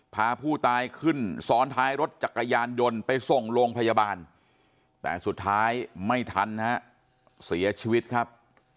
พาผู้ตายขึ้นซ้อนท้ายรถจักรยานยนต์ไปส่งโรงพยาบาลแต่สุดท้ายไม่ทันฮะเสียชีวิตครับ